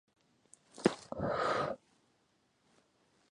It was influenced by Ukrainian folklore and early works of Alexander Dovzhenko.